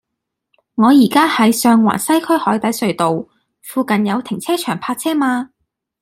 我依家喺上環西區海底隧道，附近有停車場泊車嗎